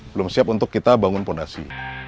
belum siap untuk kita bangun fondasi